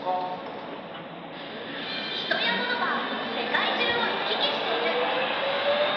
人やモノが世界中を行き来している。